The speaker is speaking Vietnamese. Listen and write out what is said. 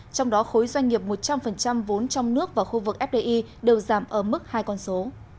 trong đó khối doanh nghiệp một trăm linh vốn trong nước và khu vực fdi đều giảm ở mức hai con số